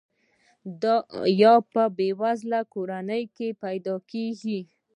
یا په بې وزله کورنۍ کې پیدا کیږي.